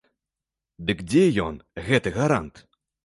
Дык дзе ён, гэты гарант?